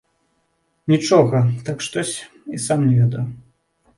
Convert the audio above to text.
Нічога, так штось, і сам не ведаю.